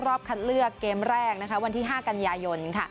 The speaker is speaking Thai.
รอบคัดเลือกเกมแรกวันที่๕กันยายน